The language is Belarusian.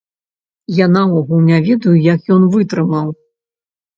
Я наогул не ведаю, як ён вытрымаў.